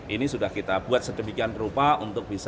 ini sudah kita buat sedemikian rupa untuk bisa